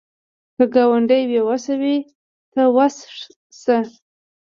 که ګاونډی بې وسه وي، ته وس شه